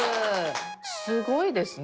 すごいですね。